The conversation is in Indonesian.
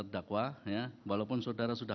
jaksa maupun terdakwa